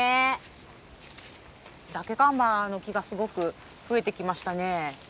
ダケカンバの木がすごく増えてきましたね。